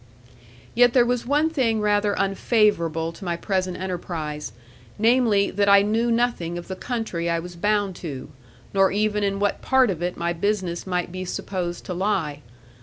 Yet there was one thing rather unfavourable to my present enterprise, namely, that I knew nothing of the country I was bound to, nor even in what part of it my business might be supposed to lie.